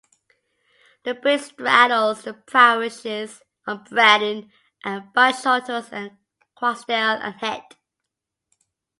The bridge straddles the parishes of Brandon and Byshottles and Croxdale and Hett.